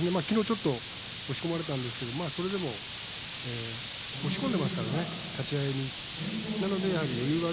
きのうはちょっと押し込まれたんですがそれでも押し込んでますからね立ち合いに。